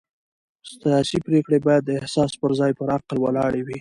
سیاسي پرېکړې باید د احساس پر ځای پر عقل ولاړې وي